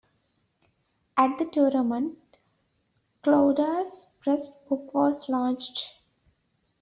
At the tournament Klouda's first book was launched.